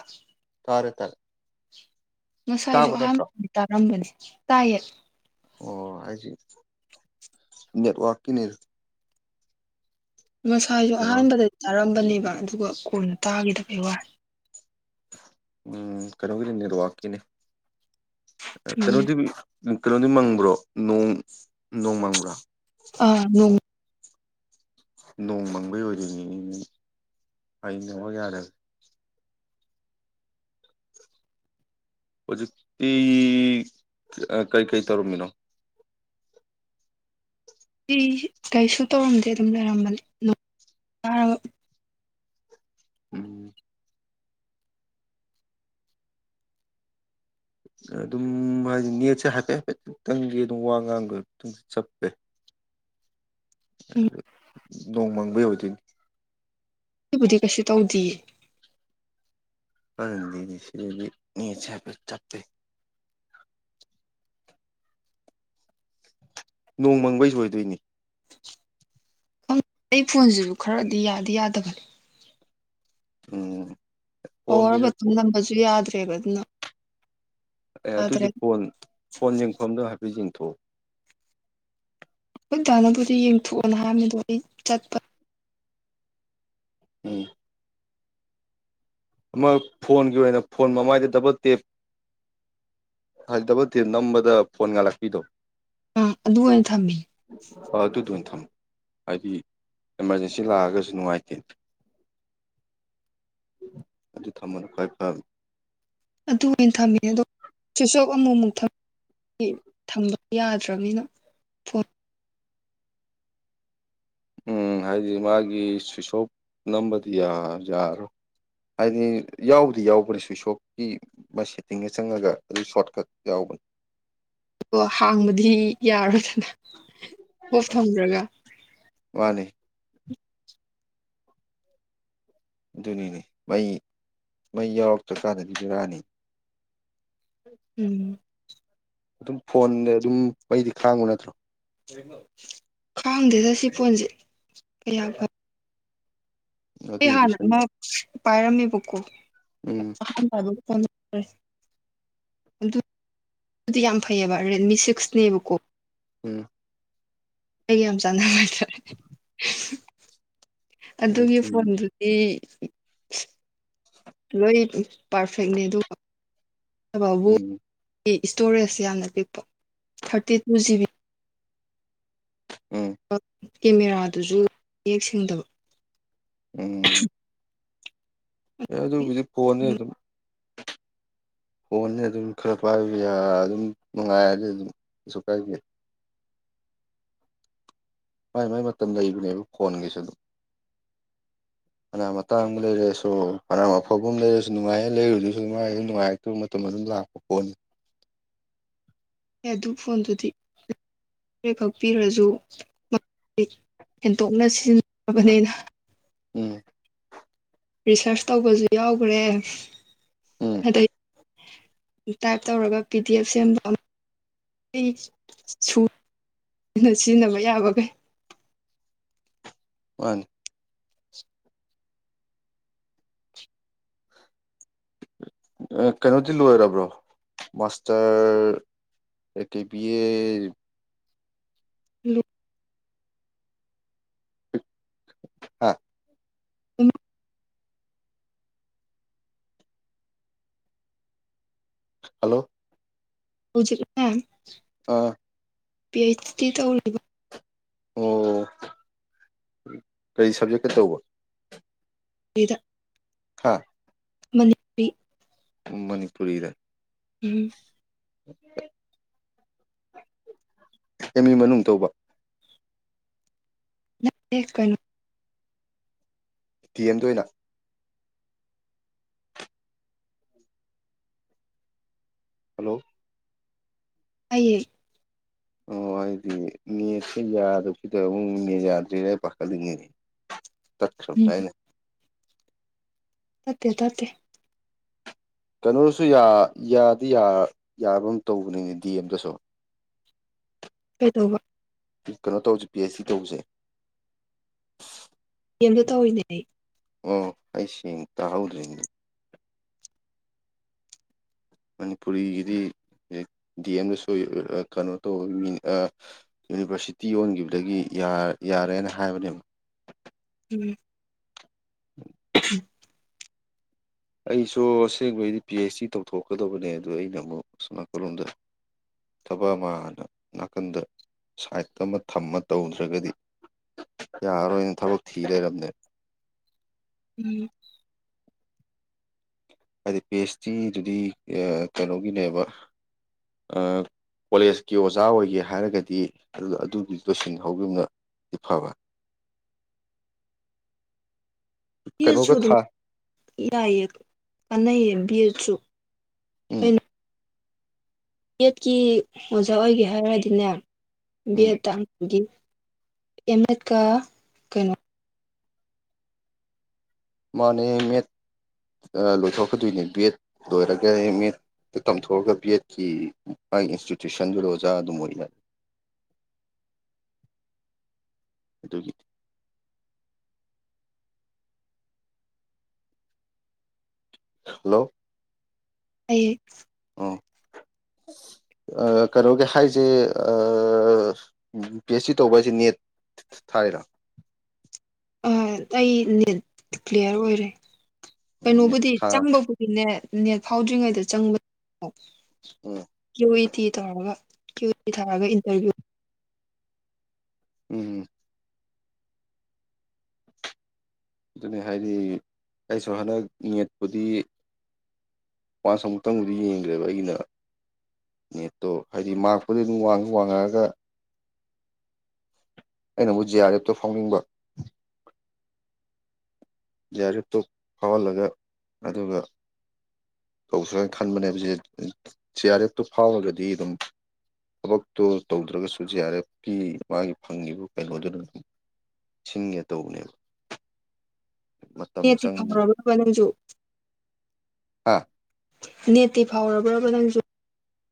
ꯑ ꯀꯥꯔ ꯇꯜ ꯉꯁꯥꯏꯁꯨ ꯑꯍꯥꯟꯕꯗꯤ ꯇꯥꯔꯝꯕꯅꯤ ꯇꯥꯏꯌꯦ ꯑꯣ ꯑꯩ ꯅꯦꯠ ꯋꯥꯀꯤ ꯉꯁꯥꯏꯁꯨ ꯑꯍꯥꯟꯕꯗ ꯆꯥꯔꯝ ꯅꯦꯕ ꯑꯗꯨꯒ ꯀꯣꯟꯅ ꯇꯥꯈꯤꯗꯕꯒꯤ ꯋꯥ ꯎꯝ ꯀꯩꯅꯣꯒꯤꯅꯤꯔ ꯋꯥꯀꯤꯅꯦ ꯎꯝ ꯀꯩꯅꯣꯗꯤ ꯀꯩꯅꯣꯗꯤ ꯃꯪꯕ꯭ꯔꯣ ꯅꯣꯡ ꯅꯣꯡ ꯃꯪꯕ꯭ꯔꯥ ꯑꯥꯣꯡ ꯅꯣꯡ ꯃꯪꯕꯩ ꯑꯣꯏꯗꯔꯤꯅꯤ ꯅ ꯑꯩ ꯅꯣꯡꯉ ꯌꯥꯗꯒꯦ [unintelligible] ꯍꯧꯖꯤꯛꯇꯤ ꯀꯩꯀꯩ ꯇꯧꯔꯝꯃꯤꯅꯣ ꯑꯩ ꯀꯩꯁꯨ ꯇꯧꯔꯝꯗꯦ ꯑꯗꯨꯝ ꯂꯩꯔꯝꯕꯅꯤꯔꯕ ꯎꯝ ꯑꯗꯨꯝ ꯍꯥꯏꯗꯤ ꯅꯦꯠꯁꯦ ꯍꯥꯏꯐꯦꯠ ꯍꯥꯏꯐꯦꯠꯇꯠꯇꯪꯒꯤ ꯑꯗꯨꯝ ꯋꯥ ꯉꯥꯡꯕ ꯑꯗꯨꯝ ꯆꯠꯄꯦ [inaudible] ꯎꯝ ꯅꯣꯡꯃꯪꯕꯩ ꯑꯣꯏꯗꯣꯏꯅꯤ ꯑꯗꯨꯕꯨꯗꯤ ꯀꯩꯁꯨ ꯇꯧꯗꯦ ꯆꯦ ꯆꯥꯛꯦ ꯅꯣꯡ ꯃꯪꯕꯩ ꯁꯣꯏꯗꯣꯏꯅꯤ ꯈꯪꯗꯦ ꯑꯩ ꯐꯣꯟꯁꯤꯁꯨ ꯈꯔꯗꯤ ꯌꯥꯗꯤ ꯌꯥꯗꯕꯅꯤ ꯑꯣꯝ ꯄꯋꯥꯔ ꯃꯇꯝ ꯅꯝꯕꯁꯨ ꯌꯥꯗ꯭ꯔꯦꯕ ꯑꯗꯨꯅ ꯑꯦ ꯌꯥꯗ꯭ꯔꯦ ꯑꯗꯨꯗꯤ ꯐꯣꯟ ꯐꯣꯟ ꯌꯦꯡꯐꯝꯗꯣ ꯍꯥꯏꯐꯦꯠ ꯌꯦꯡꯊꯣꯛꯎ ꯎꯇꯥꯥꯅꯕꯨꯗꯤ ꯌꯦꯡꯊꯣꯛꯑꯅ ꯍꯥꯏꯕꯃꯤ ꯑꯗꯣ ꯑꯩ ꯆꯠꯄ ꯎꯝ ꯑꯃ ꯐꯣꯟꯒꯤ ꯑꯣꯏꯅ ꯐꯣꯟ ꯃꯃꯥꯏꯗ ꯗꯕꯜ ꯇꯦꯞ ꯍꯥꯏ ꯇ ꯊ ꯅꯝꯕꯗ ꯐꯣꯟ ꯉ ꯂꯥꯛꯄꯤꯗꯣ ꯑꯥ ꯑꯗꯨ ꯑꯣꯏꯅ ꯊꯝꯃꯤ ꯑꯗꯨꯗꯣ ꯑꯣꯏꯅ ꯊꯝꯃꯣ ꯍꯥꯏꯗꯤ ꯑꯦꯃꯥꯔꯖꯦꯟꯁꯤ ꯂꯥꯛꯑꯒꯁꯨ ꯅꯨꯡꯉꯥꯏꯇꯦ [inaudible] ꯑꯗꯨ ꯊꯃ ꯈ꯭ꯋꯥꯏ ꯐꯝ ꯑꯗꯨ ꯑꯣꯏꯅ ꯊꯝꯃꯤꯅꯦ ꯑꯗ ꯆꯨꯁꯣꯞ ꯑꯃꯨꯛ ꯑꯃꯨꯛ ꯊꯝ ꯊꯪꯕ ꯌꯥꯗ꯭ꯔꯕꯅꯤꯅ ꯐꯣꯟ ꯎꯝ ꯍꯥꯏꯗꯤ ꯃꯥꯒꯤ ꯁ꯭ꯋꯤꯁ ꯑꯣꯞ ꯅꯝꯕꯗꯤ ꯌꯥꯔꯣꯏ ꯍꯥꯏꯗꯤ ꯌꯥꯎꯗꯤ ꯌꯥꯎꯕꯅꯤ ꯁ꯭ꯋꯤꯁ ꯑꯣꯐꯀꯤ ꯃꯥ ꯁꯦꯠꯇꯤꯡꯒ ꯆꯪꯉꯒ ꯑꯗꯨ ꯁꯣꯔꯠꯀꯠ ꯌꯥꯎꯕꯅꯤ ꯑꯣ ꯍꯥꯡꯕꯗꯤ ꯌꯥꯔꯣꯏꯗꯅ ꯍꯐ ꯊꯝꯗ꯭ꯔꯒ ꯃꯥꯅꯦ ꯑꯗꯨꯅꯤꯅꯦ ꯃꯩ ꯃꯩ ꯌꯥꯎꯔꯛꯇ꯭ꯔꯀꯥꯟꯗꯗꯤ ꯖꯔꯥꯅꯤ ꯎꯝ ꯑꯗꯨꯝ ꯐꯣꯟꯗ ꯑꯗꯨꯝ ꯃꯩꯗꯤ ꯈꯥꯡꯕ ꯅꯠꯇ꯭ꯔꯣ ꯈꯥꯡꯗꯦꯗ ꯁꯤ ꯐꯣꯟꯁꯦ ꯀꯌꯥ ꯑꯩ ꯑꯗꯨꯏꯗꯤ ꯍꯥꯟꯅ ꯁꯨꯝ ꯑꯃ ꯄꯥꯏꯔꯝꯃꯦꯕꯀꯣ ꯎꯝ ꯑꯍꯥꯟꯕ ꯍꯥꯏꯕ ꯐ ꯑꯗꯨ ꯑꯗꯨꯗꯤ ꯌꯥꯝ ꯐꯩꯑꯕ ꯔꯦꯗꯃꯤ ꯁꯤꯛꯁꯅꯦꯕꯀꯣ ꯎꯝ ꯑꯩ ꯌꯥꯝ ꯌꯥꯝ ꯆꯥꯟꯗꯇꯔꯦ ꯑꯗꯨꯒꯤ ꯎꯝ ꯐꯣꯟꯗꯨꯗꯤ ꯂꯣꯏ ꯄꯥꯔꯐꯦꯛꯅꯤ ꯑꯗꯨ ꯕꯨ ꯎꯝ ꯏꯁꯇꯣꯔꯦꯖ ꯌꯥꯝꯅ ꯄꯤꯛꯄ ꯊꯥꯔꯇꯤ ꯇꯨ ꯖꯤꯕꯤ ꯎꯝ ꯀꯦꯃꯦꯔꯥꯗꯨꯁꯨ ꯌꯦꯌꯦꯛ ꯁꯦꯡꯗꯕ ꯑꯗꯨꯣꯗꯤ ꯄꯅꯤ ꯑꯗꯨꯝ ꯍꯣꯟꯅꯤ ꯑꯗꯨꯝ ꯈꯔ ꯄꯥꯏꯕ ꯑꯗꯨꯝ ꯅꯨꯡꯉꯥꯏꯔꯗꯤ ꯑꯗꯨꯝ ꯀꯩꯁꯨ ꯀꯥꯏꯕꯤ ꯃꯥꯏ ꯃꯥꯏ ꯃꯇꯝ ꯂꯩꯕꯅꯦꯕ ꯐꯣꯟꯒꯤꯁꯨ ꯑꯗꯨꯝ ꯑꯅꯥ ꯃꯇꯇꯥꯡꯕ ꯂꯩꯔꯁꯨ ꯑꯅꯥꯝ ꯑꯐꯕ ꯑꯃ ꯂꯩꯔꯁꯨ ꯅꯨꯡꯉꯥꯏꯌꯦ ꯂꯩꯔꯨꯗꯁꯨ ꯥꯏ ꯅꯨꯡꯉꯥꯏꯔꯛꯇ꯭ꯔꯕ ꯃꯅꯨꯡꯗ ꯂꯥꯛꯄ ꯄꯣꯠꯅꯤ ꯑꯦ ꯑꯗꯨ ꯐꯣꯟꯗꯨꯗꯤ ꯈꯛ ꯄꯤꯔꯁꯨ ꯍꯦꯟꯇꯣꯛꯅ ꯁꯤꯖꯤꯟꯅꯕꯅꯤꯅ ꯎꯝ ꯔꯤꯁꯔꯁ ꯇꯧꯕꯁꯨ ꯌꯥꯎꯈ꯭ꯔꯦ ꯎꯝ ꯑꯗꯩ ꯇꯥꯏꯞ ꯇꯧꯔꯒ ꯄꯤ ꯗꯤ ꯑꯦꯐ ꯁꯦꯝꯕ ꯑꯩ ꯁꯨꯅ ꯁꯤꯖꯤꯟꯅꯕ ꯌꯥꯕꯒꯦ ꯋꯥꯅꯤ [inaudible] ꯀꯩꯅꯣꯗꯤ ꯂꯣꯏꯔꯕ꯭ꯔꯣ ꯃꯥꯁꯇꯔ ꯑꯩ ꯌꯦ ꯂꯤꯞ ꯍꯥꯥ ꯏ ꯍꯜꯂꯣ ꯍꯧ [inaudible] ꯑꯥ ꯄꯤ ꯑꯩꯆ ꯗꯤ ꯇꯧꯔꯤꯕ ꯑꯣ ꯀꯔꯤ ꯁꯕꯖꯦꯛꯇ ꯇꯧꯕ ꯀꯩꯗ ꯍꯥꯥ ꯃꯅꯤꯄꯤ ꯅꯪ ꯃꯅꯤꯄꯨꯨꯔꯤ ꯔꯥ ꯎꯝ [inaudible] ꯑꯦꯝ ꯏ ꯃꯅꯨꯡ ꯇꯧꯕ ꯁ ꯀꯅꯣ ꯇꯤ ꯑꯦꯝꯗꯅ ꯍꯜꯂꯣ ꯑꯩꯌꯦꯌꯦ ꯑꯣ ꯑꯩꯗꯤ ꯃꯤꯁ ꯌꯥꯗꯗ ꯌꯥꯗꯔ ꯄ ꯂꯤꯉ ꯇꯠ ꯎꯝ ꯁꯕꯗꯥꯏꯅ ꯇꯦ ꯇꯣ ꯇꯦ ꯀꯩꯅꯣꯁꯨ ꯌꯥꯗꯤ ꯌꯥꯕ ꯇꯧꯕꯅꯤꯅꯦ ꯗꯤ ꯑꯦꯝꯗꯁꯨ ꯀꯩꯗꯧꯕ ꯀꯩꯅꯣ ꯇꯧꯁꯦ ꯄꯤ ꯑꯩꯆ ꯗꯤ ꯇꯧꯁꯦ ꯁꯤ ꯀꯦꯝꯇ ꯊꯧꯑꯣꯏꯗꯕꯤ ꯑꯣ ꯑꯩꯩꯁꯦꯡ ꯇꯍꯧꯗ꯭ꯔꯍꯦ ꯃꯅꯤꯄꯨꯔꯤꯒꯤꯗꯤ ꯗꯤꯑꯦꯝꯗꯁꯨ ꯀꯩꯅꯣ ꯇꯧꯕ ꯌꯨꯅꯤꯚꯔꯁꯤꯇꯤ ꯑꯣꯟꯒꯤꯕꯗꯒꯤ ꯌꯥ ꯌꯥꯔꯦꯅ ꯍꯥꯏꯕꯅꯦꯕꯛ ꯎꯝ ꯎꯝ [inaudible] ꯑꯩꯁꯨ ꯑꯁꯦꯡꯕꯩꯗꯤ ꯄꯤ ꯑꯩꯩꯆ ꯗꯤ ꯇꯧꯊꯣꯛꯀꯗꯕꯅꯦ ꯑꯗꯨꯗ ꯑꯩꯅ ꯑꯃꯨꯛ ꯁꯣꯟ ꯅꯀꯟ ꯂꯣꯝꯗ ꯊꯕꯛ ꯑꯃ ꯍꯥꯟꯅ ꯅꯥꯀꯟꯗ ꯁꯥꯏꯠꯇ ꯑꯃ ꯊꯝꯃ ꯇꯧꯗ꯭ꯔꯒꯗꯤ ꯌꯥꯔꯔꯣꯏꯅꯦ ꯊꯕꯛ ꯊꯤ ꯂꯩꯔꯝꯃꯦ ꯎꯝ ꯍꯥꯏꯗꯤ ꯄꯦꯁꯇ꯭ꯔꯤꯗꯨꯗꯤ ꯀꯩꯅꯣꯒꯤꯅꯦꯕ ꯑ ꯀꯣꯂꯦꯖꯀꯤ ꯑꯣꯖꯥ ꯑꯣꯏꯒꯦ ꯍꯥꯏꯔꯒꯗꯤ ꯑꯗꯨꯒꯤ ꯂꯣꯏꯁꯤꯟꯍꯧꯈꯤꯕꯅ ꯏꯐꯥꯕ [inaudible] ꯕꯦꯠꯁꯨ ꯀꯩꯅꯣꯒ ꯑꯗꯨ ꯊꯥ ꯌꯥꯏꯌꯦ ꯀꯥꯟꯅꯩꯌꯦ ꯕꯦꯠꯁꯨ ꯎꯝ ꯕꯤꯑꯦꯠꯀꯤ ꯑꯣꯖꯥ ꯑꯣꯏꯒꯦ ꯍꯥꯏꯔꯗꯤꯅꯦ ꯕꯤ ꯎꯝ ꯑꯦꯠ ꯇꯥꯡꯒꯤ ꯑꯝꯑꯠ ꯀ ꯀꯩꯅꯣ ꯃꯥꯅꯦ ꯑꯦꯝ ꯑꯦꯗ ꯂꯣꯏꯊꯣꯛꯀꯗꯣꯏꯅꯦ ꯕꯤ ꯑꯦꯗ ꯂꯣꯏꯔꯒ ꯑꯦꯝ ꯑꯦꯠ ꯇꯝꯊꯣꯛꯑꯒ ꯕꯤ ꯑꯦꯗꯀꯤ ꯃꯥꯒꯤ ꯏꯟꯁꯇꯤꯇ꯭ꯌꯨꯁꯟꯗꯨꯗ ꯑꯣꯖꯥ ꯑꯗꯨꯝ ꯑꯣꯏꯅ [inaudible] ꯑꯗꯨꯒꯤ ꯍꯜꯂꯣ ꯑꯩ ꯑ [inaudible] ꯀꯩꯅꯣꯒꯤ ꯍꯥꯏꯁꯦ ꯄꯤ ꯑꯩꯆ ꯇꯧꯕ ꯍꯥꯏꯁꯦ ꯅꯦꯠ ꯊꯥꯏꯔ [inaudible] ꯑꯩ ꯅꯦꯠ ꯀ꯭ꯂꯤꯦꯌꯔ ꯑꯣꯏꯔꯦ ꯅꯦꯠ ꯀꯩꯅꯣꯕꯨꯗꯤ ꯊꯥ ꯆꯪꯕꯕꯨꯗꯤ ꯅꯦꯠ ꯅꯦꯠ ꯐꯥꯎꯗ꯭ꯔꯤꯉꯩꯗ ꯆꯪꯕ ꯎꯝ ꯇꯤ ꯊꯥꯔꯒ ꯀ꯭ꯌꯨ ꯇꯤ ꯊꯥꯔꯒ ꯏꯟꯇꯔꯚꯤꯌꯨ ꯎꯝ ꯑꯗꯨꯅꯤ ꯍꯥꯏꯗꯤ ꯑꯩꯁꯨ ꯍꯟꯗꯛ ꯌꯦꯠꯄꯨꯗꯤ ꯃꯥꯁ ꯑꯃꯨꯛꯇꯪꯕꯨꯗꯤ ꯌꯦꯡꯈ꯭ꯔꯦꯕ ꯑꯩꯒꯤꯅ ꯅꯦꯠꯇꯣ ꯍꯥꯏꯗꯤ ꯃꯥꯔꯛꯄꯨꯗꯤ ꯑꯗꯨꯝꯡ ꯋꯥꯡꯉꯛꯑꯒ ꯑꯩꯅꯕꯨꯨꯖ ꯑꯔꯦꯞꯇꯣ ꯐꯥꯎꯅꯤꯡꯕ ꯌꯥꯔꯤꯞꯇꯣ ꯐꯥꯎꯍꯜꯂꯒ ꯑꯗꯨꯒ ꯇꯧ ꯁ ꯍꯥꯏꯅ ꯈꯟꯕꯅꯦ ꯍꯧꯖꯤ ꯁꯤ ꯑꯥꯔ ꯑꯦꯐꯇꯨ ꯐꯥꯎꯔꯒꯗꯤ ꯑꯗꯨꯝ ꯊꯕꯛꯇꯨ ꯇꯧꯗ꯭ꯔꯒꯁꯨ ꯖꯤ ꯑꯥꯔ ꯑꯦꯐꯀꯤ ꯃꯥꯒꯤ ꯐꯪꯉꯤꯕ ꯀꯩꯅꯣꯗꯨꯅ ꯑꯗꯨꯝ ꯁꯤꯡꯒꯦ ꯇꯧꯕꯅꯦꯕ [inaudible] ꯃꯇꯝ ꯅꯦꯠꯇꯤ ꯆꯪꯕ ꯐꯥꯎꯔꯕꯕ ꯅꯪꯁꯨꯨ ꯑꯥ ꯅꯦꯠꯇꯤ ꯐꯥꯎꯔꯕ꯭ꯔꯕ ꯅꯪꯁꯨ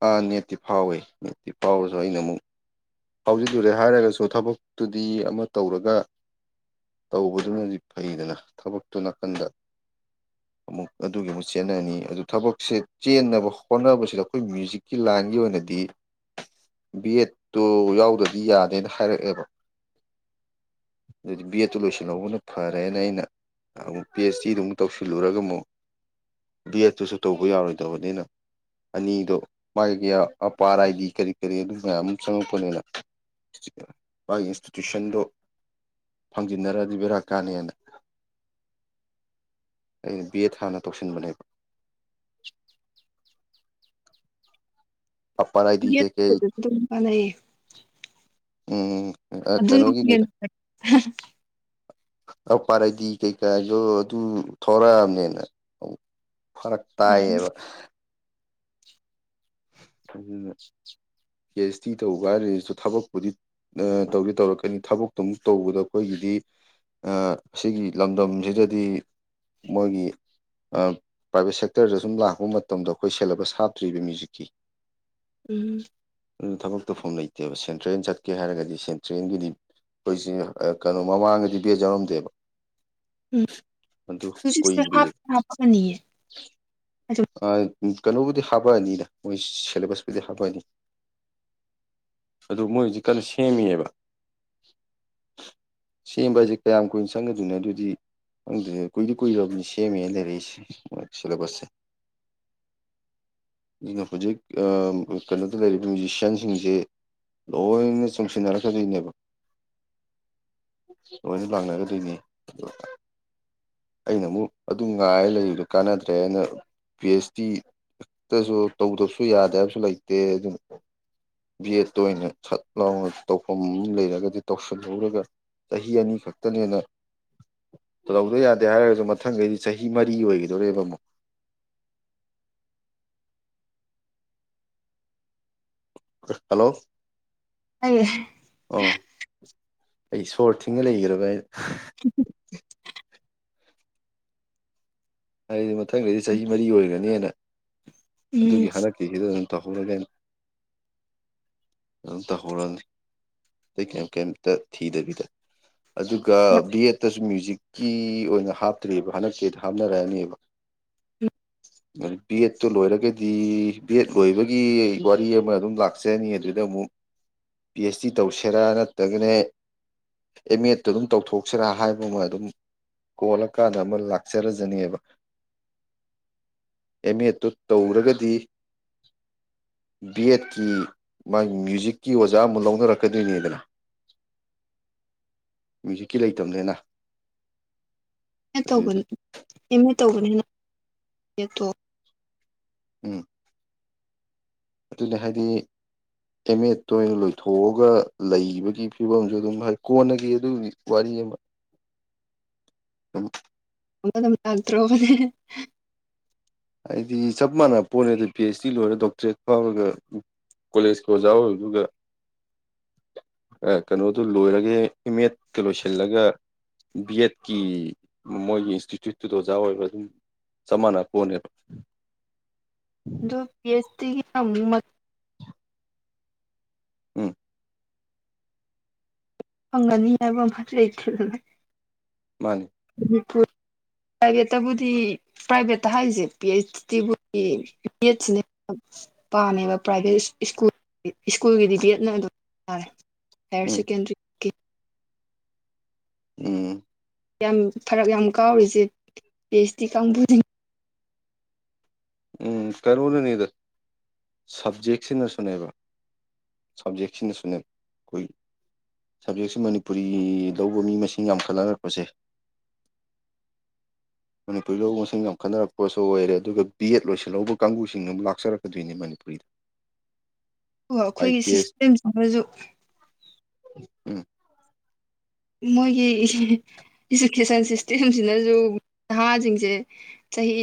ꯑꯥ ꯅꯦꯠꯇꯤ ꯐꯥꯎꯋꯦ ꯅꯦꯠꯇꯤ ꯐꯥꯎꯔꯁꯨ ꯑꯩꯅ ꯑꯃꯨꯛ ꯍꯧꯖꯤꯛꯂꯨꯔꯦ ꯍꯥꯏꯔꯒꯁꯨ ꯊꯕꯛꯇꯨꯗꯤ ꯑꯃ ꯇꯧꯔꯒ ꯇꯧꯕꯗꯨꯅꯗꯤ ꯐꯩꯗꯅ ꯊꯕꯛꯇꯨ ꯅꯥꯀꯟꯗ [inaudible] ꯑꯃꯨꯛ ꯑꯗꯨꯒꯤ ꯑꯃꯨꯛ ꯆꯦꯟꯅꯅꯤ ꯑꯗꯨ ꯊꯕꯛꯁꯦ ꯆꯦꯟꯅꯕ ꯍꯣꯠꯅꯕꯁꯤꯗ ꯑꯩꯈꯣꯏ ꯃ꯭ꯌꯨꯖꯤꯛꯀꯤ ꯂꯥꯏꯟꯒꯤ ꯑꯣꯏꯅꯗꯤ [inaudible] ꯕꯤ ꯑꯦꯠꯇꯨ ꯌꯥꯎꯗ꯭ꯔꯗꯤ ꯌꯥꯗꯦꯅ ꯍꯥꯏꯔꯛꯑꯦꯕ ꯑꯗꯨꯗꯤ ꯕꯦꯠꯇꯨ ꯂꯣꯏꯁꯤꯜꯍꯧꯕꯅ ꯐꯔꯦꯅ ꯑꯩꯅ ꯑꯃꯨꯛ ꯄꯤ ꯑꯩꯆ ꯗꯤꯗꯨ ꯑꯃꯨꯛ ꯇꯧꯁꯤꯜꯂꯨꯔꯒ ꯑꯃꯨꯛ ꯕꯤ ꯑꯦꯠꯇꯨꯁꯨ ꯇꯧꯕ ꯌꯥꯔꯣꯏꯗꯕꯅꯤꯅ ꯑꯅꯤꯗꯣ ꯃꯥꯒꯤ ꯑꯄꯥ ꯑꯥꯔ ꯑꯥꯏꯗꯤ ꯀꯔꯤ ꯀꯔꯤ ꯑꯗꯨ ꯃꯌꯥꯝ ꯆꯪꯉꯛꯄꯅꯤꯅ ꯃꯥꯒꯤ ꯏꯟꯁꯇꯤꯇ꯭ꯌꯨꯁꯟꯗꯣ ꯐꯪꯖꯤꯟꯅꯔꯗꯤ ꯕꯦꯔꯥ ꯀꯥꯅꯦꯅ ꯑꯩꯅ ꯕꯤ ꯑꯦꯠ ꯍꯥꯟꯅ ꯇꯧꯁꯤꯟꯕꯅꯦꯕ [inaudible] ꯑ ꯄꯥꯏ ꯒꯦ ꯀ ꯅꯦꯠꯄꯨꯗꯁꯨ ꯑꯗꯨꯝ ꯀꯥꯟꯅꯩꯌꯦ ꯎꯝ ꯑꯗꯨ ꯑ ꯄꯔꯗꯤ ꯀꯩꯀꯥꯗ ꯑꯗꯨ ꯊꯔꯛꯑꯕꯅꯦꯅ ꯐꯔꯛ ꯎꯝ ꯇꯥꯏꯌꯦꯕ ꯊꯥꯖꯅ ꯀꯤ ꯑꯩꯁ ꯇꯤ ꯇꯧꯕ ꯀꯥꯟꯗꯁꯨ ꯊꯕꯛꯄꯨꯗꯤ ꯇꯧꯗꯤ ꯇꯧꯔꯛꯀꯅꯤ ꯊꯕꯛꯇꯨ ꯑꯃꯨꯛ ꯇꯧꯕꯗ ꯑꯩꯈꯣꯏꯒꯤ ꯗꯤ ꯁꯤ ꯂꯝꯗꯝꯁꯤꯗꯗꯤ ꯃꯣꯏꯒꯤ ꯄ꯭ꯔꯥꯏꯚꯦꯠ ꯁꯦꯛꯇꯔꯗ ꯁꯨꯝ ꯂꯥꯛꯄ ꯃꯇꯝꯗ ꯑꯩꯈꯣꯏ ꯁꯦꯂꯦꯕꯁ ꯍꯥꯞꯇ꯭ꯔꯤꯕ ꯃ꯭ꯌꯨꯖꯤꯛ ꯎ ꯎꯝ ꯑꯗꯨ ꯊꯕꯛ ꯇꯧꯐꯝ ꯂꯩꯇꯦꯕ ꯁꯦꯟꯇ꯭ꯔꯦꯜ ꯆꯠꯀꯦ ꯍꯥꯏꯔꯒꯗꯤ ꯁꯦꯟꯇ꯭ꯔꯦꯜꯒꯤꯗꯤ ꯑꯩꯈꯣꯏꯁꯤ ꯀꯩꯅꯣ ꯃꯃꯥꯡꯒꯗꯤ ꯕꯦ ꯌꯥꯧꯔꯝꯗꯦꯕ ꯎꯝ ꯃꯗꯨ ꯀꯣꯏ ꯍꯧꯖꯤꯛꯁꯦ ꯀꯔꯤ ꯍꯥꯞꯇꯤ ꯍꯥꯞꯄꯅꯤꯌꯦ ꯑꯗꯨꯝ ꯀꯩꯅꯣꯕꯨꯗꯤ ꯍꯥꯞꯄꯑꯅꯤꯅ ꯃꯣꯏ ꯁꯦꯂꯦꯕꯁꯄꯨꯗꯤ ꯍꯥꯞꯄꯑꯅꯤ ꯑꯗꯨ ꯃꯣꯏ ꯍꯧꯁꯤ ꯀꯟꯅ ꯁꯦꯝꯃꯤꯑꯕ [unintelligible] ꯁꯦꯝꯕ ꯍꯥꯏꯁꯦ ꯀꯌꯥꯝ ꯀꯨꯏꯅ ꯆꯪꯒꯗꯣꯏꯣ ꯑꯗꯨꯗꯤ ꯑꯗꯨꯪꯗꯤ ꯀꯨꯏꯗꯤ ꯀꯨꯏꯔꯕꯅꯤ ꯁꯦꯝꯃꯦ ꯂꯩꯔꯛꯏꯁꯦ ꯁꯤꯂꯦꯕꯁꯁꯦ [unintelligible] ꯑꯗꯨ ꯍꯧꯖꯤꯛ ꯀꯩꯅꯣꯗ ꯂꯩꯔꯤꯕ ꯃ꯭ꯌꯨꯖꯤꯁꯤꯌꯥꯟꯁꯤꯡꯁꯦ ꯂꯣꯏꯅ ꯆꯣꯡꯁꯤꯟꯅꯔꯛꯀꯗꯣꯏꯅꯦꯕ ꯂꯣꯏꯅ ꯂꯥꯛꯅꯒꯗꯣꯏꯅꯦ ꯑꯩꯅ ꯑꯃꯨꯛ ꯑꯗꯨ ꯉꯥꯏ ꯂꯩꯔꯤꯗꯣ ꯀꯥꯟꯅꯗ꯭ꯔꯦ ꯑꯅ ꯄꯤ ꯑꯩꯆ ꯗꯤ ꯈꯛꯇꯁꯨ ꯇꯧꯗꯕꯁꯨ ꯌꯥꯗꯦ ꯍꯥꯏꯕꯁꯨ ꯂꯩꯇꯦ ꯑꯗꯨꯅ ꯚ ꯑꯦꯠꯇ ꯑꯣꯏꯅ ꯁꯠ ꯂꯥꯎꯅ ꯇꯧꯐꯝ ꯑꯃ ꯂꯩꯔꯒꯗꯤ ꯇꯧꯁꯤꯜꯍꯧꯔꯒ ꯆꯍꯤ ꯑꯅꯤ ꯈꯛꯇ ꯂꯦꯟꯅ ꯇꯧꯗꯣ ꯌꯥꯗꯦ ꯍꯥꯏꯔꯒꯁꯨ ꯃꯊꯪꯈꯩꯗꯤ ꯆꯍꯤ ꯃꯔꯤ ꯑꯣꯏꯒꯗꯧꯣꯔꯦꯕ ꯑꯃꯨꯛ ꯍꯜꯂꯣ ꯑꯦ ꯑꯣ ꯑꯩ ꯁꯣꯔ ꯊꯤꯡꯅ ꯂꯩꯈ꯭ꯔꯕ ꯑꯩ ꯎ ꯍꯥꯏꯗꯤ ꯃꯊꯪꯗꯩꯗꯤ ꯆꯍꯤ ꯃꯔꯤ ꯑꯣꯏꯔꯅꯦꯅ ꯎꯝ ꯑꯗꯨꯒꯤ ꯍꯟꯗꯛꯀꯤꯁꯤꯗ ꯑꯗꯨꯝ ꯇꯍꯂꯒꯦꯟ ꯑꯝꯇꯍꯧꯔꯅꯤ ꯀꯩꯇ ꯊꯤꯗꯕꯤꯗ ꯑꯗꯨꯒ ꯕꯤ ꯑꯦꯗꯠꯇꯁꯨ ꯃ꯭ꯌꯨꯖꯤꯛꯀꯤ ꯑꯣꯏꯅ ꯍꯥꯞꯇ꯭ꯔꯤꯑꯕ ꯍꯟꯗꯛꯦ ꯍꯥꯞꯅ ꯔꯅꯤꯕ ꯎ ꯑꯗꯨ ꯕꯦꯠꯇꯣ ꯂꯣꯏꯔꯒꯗꯤ ꯕꯦꯠ ꯂꯣꯏꯕꯒꯤ ꯋꯥꯔꯤ ꯑꯃ ꯑꯗꯨꯝ ꯂꯥꯛꯆꯅꯤ ꯑꯗꯨꯗ ꯑꯃꯨꯛ [unintelligible] ꯄꯤ ꯑꯩꯆ ꯗꯤ ꯇꯧꯁꯦꯔꯥ ꯅꯠꯇ꯭ꯔꯒꯅꯦ ꯑꯦꯝ ꯑꯦꯗꯠꯇꯨ ꯑꯗꯨꯝ ꯇꯧꯊꯣꯛꯁꯤꯔꯥ ꯍꯥꯏꯕ ꯑꯃ ꯑꯗꯨꯝ ꯀꯣꯜꯂꯀꯥꯟꯗ ꯑꯃ ꯂꯥꯛꯆꯔꯁꯤ [unintelligible] ꯕꯤ ꯑꯦꯠꯀꯤ ꯃꯥꯒꯤ ꯃ꯭ꯌꯨꯖꯤꯛꯀꯤ ꯑꯣꯖꯥ ꯑꯃ ꯂꯧꯅꯔꯛꯀꯗꯣꯏꯅꯦꯗꯅ [unintelligible] ꯃ꯭ꯌꯨꯖꯤꯛꯀꯤ ꯂꯩꯇꯕꯅꯦꯅ ꯑꯦ ꯇꯧꯕ ꯑꯦꯝ ꯑꯦ ꯇꯧꯕꯅꯤꯅꯠꯇꯣ ꯎꯝ ꯑꯗꯨꯅꯦ ꯍꯥꯏꯗꯤ ꯑꯦꯝ ꯑꯦꯗꯇ ꯑꯣꯏꯅ ꯂꯣꯏꯊꯣꯛꯑꯒ ꯂꯩꯕꯒꯤ ꯐꯤꯕꯝꯁꯨ ꯑꯗꯨꯝ ꯀꯣꯟꯅꯈꯤ ꯑꯗꯨꯒꯤ ꯋꯥꯔꯤ [unintelligible] ꯍ ꯂꯥꯛꯇ꯭ꯔꯣꯕꯅꯦ ꯍꯥꯏꯗꯤ ꯆꯞ ꯃꯥꯟꯅꯕ ꯄꯣꯜꯂꯦꯗ ꯄꯤ ꯑꯩꯆ ꯗꯤ ꯂꯣꯏꯔꯦ ꯗꯣꯛꯇꯔꯦꯠ ꯐꯥꯎꯔꯒ ꯀꯣꯂꯦꯖ ꯀ ꯑꯣꯖꯥꯖꯒ ꯀꯩꯅꯣꯗꯨ ꯂꯣꯏꯔꯒꯦ ꯏꯃꯦꯗꯠꯇ ꯂꯣꯏꯁꯤꯜꯂꯒ ꯕꯤ ꯑꯦꯠꯀꯤ ꯃꯣꯏꯒꯤ ꯏꯟꯁꯇꯤꯇ꯭ꯌꯨꯠꯇꯨꯗ ꯑꯣꯖꯥ ꯑꯣꯏꯔ ꯑꯗꯨꯝ ꯆꯞ ꯃꯥꯟꯅ ꯀꯣꯟꯅꯦꯕ [unintelligible] ꯁꯇꯤ ꯎꯝ ꯍꯒꯥꯅꯤ ꯌꯥꯕ ꯃꯥ꯭ꯔꯦ ꯏ ꯃꯥꯅꯤ ꯄ ꯄ꯭ꯔꯥꯏꯚꯦꯠꯇꯕꯨꯗꯤ ꯄ꯭ꯔꯥꯏꯚꯦꯠꯇ ꯍꯥꯏꯔꯤꯁꯦ ꯄꯤ ꯑꯩꯆ ꯇꯤꯕꯨꯗꯤ ꯕꯤ ꯑꯦꯗꯁꯤꯅꯦ ꯄꯥꯝꯃꯦꯕ ꯄ꯭ꯔꯥꯏꯚꯦꯠ ꯁ꯭ꯀꯨꯜ ꯁ꯭ꯀꯨꯜꯒꯤꯗꯤ ꯕꯦꯠꯅ ꯑꯗꯨꯝꯔꯦ ꯍꯌꯔ ꯎꯝ ꯁꯦꯀꯦꯟꯗꯔꯤ ꯎꯝ ꯌꯥꯝ ꯐꯔꯛ ꯌꯥꯝ ꯀꯥꯎꯔꯤꯁꯦ ꯇꯦꯁꯇꯤ ꯀꯥꯡꯕꯨꯁꯤꯡ ꯎꯝ ꯀꯩꯅꯣꯅꯅꯤꯗ ꯁꯞꯖꯦꯛꯁꯤꯅꯁꯨꯅꯦꯕ ꯁꯕꯖꯦꯛꯁꯤ ꯁꯨꯅ ꯀꯣꯏ ꯁꯕꯖꯦꯛꯁꯤ ꯃꯅꯤꯄꯨꯔꯤ ꯂꯧꯕ ꯃꯤ ꯃꯁꯤꯡ ꯌꯥꯝꯈꯠꯅꯔꯛꯄꯁꯦ ꯃꯅꯤꯄꯨꯔꯤ ꯂꯧꯕꯥ ꯃꯁꯤꯡ ꯌꯥꯝ ꯈꯠꯟꯅꯔꯛꯄꯁꯨ ꯑꯣꯏꯔꯦ ꯑꯗꯨꯒ ꯄꯤ ꯑꯦꯠ ꯂꯣꯏꯁꯤꯜꯍꯧꯕ ꯀꯥꯡꯕꯨꯁꯤꯡꯗꯨ ꯂꯥꯛꯆꯔꯛꯀꯗꯣꯏꯅꯦ ꯃꯅꯤꯄꯨꯔꯤꯗ ꯑꯣ ꯍꯥꯏ ꯑꯩꯈꯣꯏꯒꯤ ꯄꯤ ꯑꯦꯁ ꯁꯤꯁꯇꯦꯝꯁꯤꯃꯁꯨ ꯎꯝ [inaudible] [unintelligible] ꯃꯣꯏꯒꯤ ꯏꯖꯨꯀꯦꯁꯟ ꯁꯤꯁꯇꯦꯝꯁꯤꯅꯁꯨ ꯅꯍꯥꯁꯤꯡꯁꯦ ꯆꯍꯤ